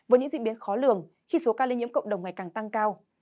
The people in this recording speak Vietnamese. với những diễn biến khó lường khi số ca lây nhiễm cộng đồng ngày càng tăng cao